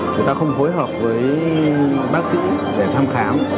chúng ta không phối hợp với bác sĩ để thăm khám